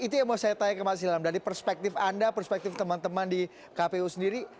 itu yang mau saya tanya ke mas ilham dari perspektif anda perspektif teman teman di kpu sendiri